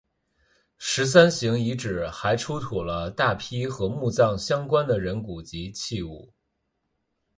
十三行遗址还出土了大批和墓葬相关的人骨及器物。